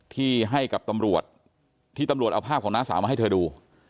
ที่ให้กับตำรวจที่ตำรวจเอาภาพของน้าสาวมาให้เธอดู